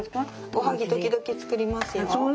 おはぎ時々つくりますよ。